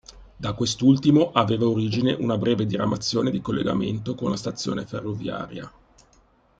Da quest'ultimo aveva origine una breve diramazione di collegamento con la stazione ferroviaria.